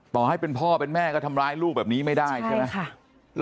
ต่อให้เป็นพ่อเป็นแม่ก็ทำร้ายลูกแบบนี้ไม่ได้ใช่ไหม